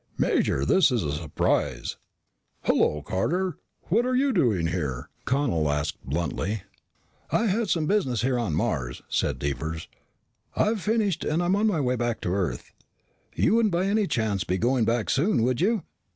"Major, this is a surprise." "Hello, Carter. What are you doing here?" Connel asked bluntly. "Had some business here on Mars," said Devers. "I've finished and I'm on my way back to Earth. You wouldn't, by any chance, be going back soon, would you?